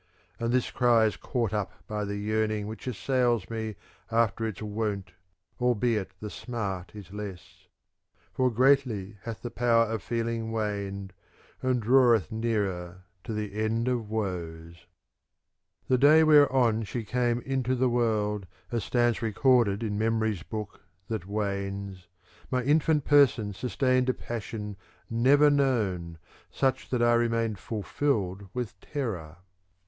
' And this cry is caught up by the yearning * which assails me after its wont albeit the smart is less ; for greatly hath the power of feeling waned, and draweth nearer to the end of woes. The day whereon she came into the world, as stands recorded in memory's book that wanes, My infant person sustained a passion never known such that I remained fulfilled with terror.